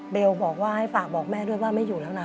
บอกว่าให้ฝากบอกแม่ด้วยว่าไม่อยู่แล้วนะ